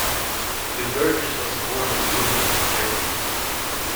Hubertus was born in Munich, Germany.